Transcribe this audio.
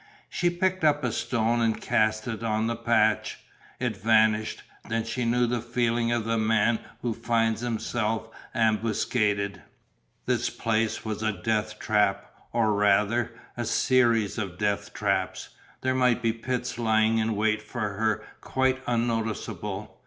She picked up a stone and cast it on the patch. It vanished. Then she knew the feeling of the man who finds himself ambuscaded. This place was a death trap, or, rather, a series of death traps, there might be pits lying in wait for her quite unnoticeable.